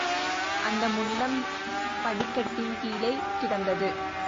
அந்த முண்டம் படிக்கட்டின் கீழே கிடந்தது.